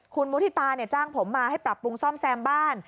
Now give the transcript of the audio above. คุณมุฒิตาจ้างผมมาให้ปรับปรุงซ่อมแซมบ้าน